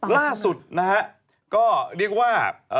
ล่าสุดนะฮะก็เรียกว่า